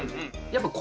やっぱり。